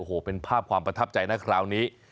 โอ้โหเป็นภาพความประทับใจนะคราวนี้